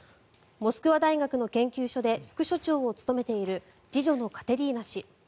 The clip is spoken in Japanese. モスクワ大学の研究所で副所長を務めている次女のカテリーナ氏。